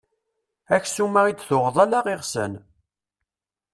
Aksum-a i d-tuɣeḍ ala iɣsan.